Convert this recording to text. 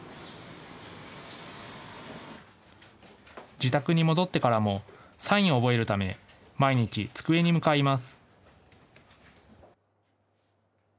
自宅に戻ってからもサインを覚えるため毎日、机に向かいます。